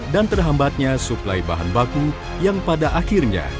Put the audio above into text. dan terhambatnya suplai bahan baku yang pada akhirnya